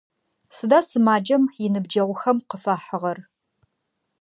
Сыда сымаджэм иныбджэгъухэм къыфахьыгъэр?